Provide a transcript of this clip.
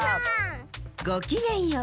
ごきげんよう。